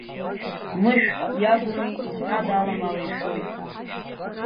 Мышә иагәыми, изҳәада аламала ишәоит.